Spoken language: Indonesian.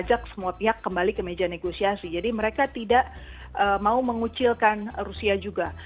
jadi mereka tidak mau mengucilkan rusia juga